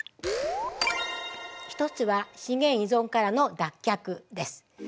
１つは「資源依存からの脱却」です。